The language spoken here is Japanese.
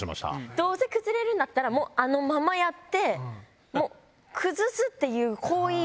どうせ崩れるんだったらあのままやって崩すっていう行為を。